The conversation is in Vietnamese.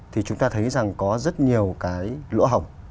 thì chúng ta thấy rằng có rất nhiều cái lỗ hỏng